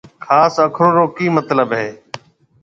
خاص آکرون رو ڪِي متلب هيَ۔